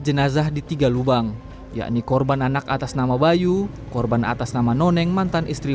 jenazah di tiga lubang yakni korban anak atas nama bayu korban atas nama noneng mantan istri